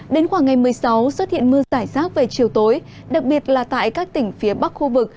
đến khoảng ngày một mươi sáu xuất hiện mưa giải rác về chiều tối đặc biệt là tại các tỉnh phía bắc khu vực